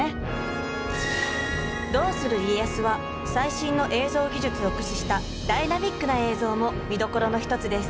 「どうする家康」は最新の映像技術を駆使したダイナミックな映像も見どころの一つです。